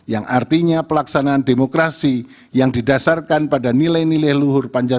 yang artinya pelaksanaan demokrasi yang didasarkan pada nilai nilai luhur pancasila